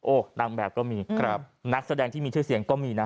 โอ๊ะดังแบบก็มีนักแสดงที่มีชื่อเสียงก็มีนะ